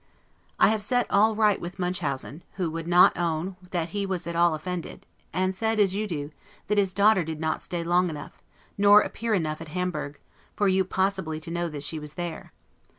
I have set all right with Munchausen; who would not own that he was at all offended, and said, as you do, that his daughter did not stay long enough, nor appear enough at Hamburg, for you possibly to know that she was there.